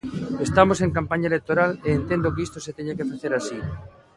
Estamos en campaña electoral e entendo que isto se teña que facer así.